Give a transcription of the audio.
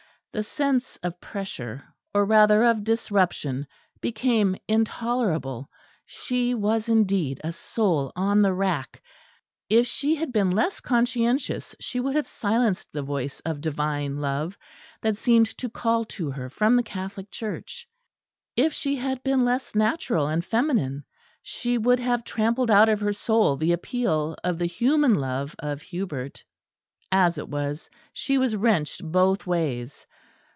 The sense of pressure, or rather of disruption, became intolerable. She was indeed a soul on the rack; if she had been less conscientious she would have silenced the voice of Divine Love that seemed to call to her from the Catholic Church; if she had been less natural and feminine she would have trampled out of her soul the appeal of the human love of Hubert. As it was, she was wrenched both ways.